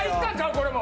これも。